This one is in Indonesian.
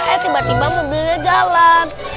eh tiba tiba mobilnya jalan